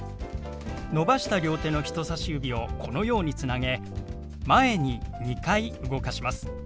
伸ばした両手の人さし指をこのようにつなげ前に２回動かします。